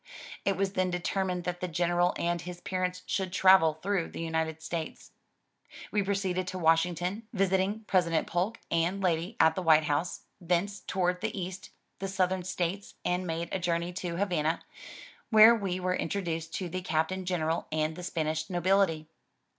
It was then determined that the General and his parents should travel through the United States. We proceeded to Washington, visiting President Polk and lady at the White House, thence toured the east, the southern states and made a journey to Havana, where we were introduced to the Captain General and the Spanish nobility.